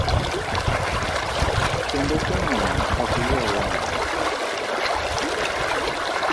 Kendo somo ni ok ywa wang'.